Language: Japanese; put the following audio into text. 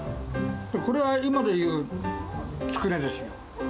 これは今でいう、つくねですよ。